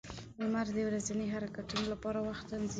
• لمر د ورځني حرکتونو لپاره وخت تنظیموي.